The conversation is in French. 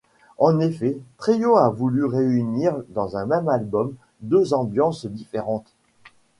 En effet, Tryo a voulu réunir dans un même album deux ambiances différentes.